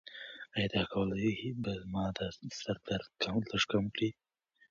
ایا دا ګولۍ به زما د سر درد لږ کم کړي؟